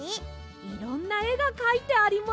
いろんなえがかいてあります。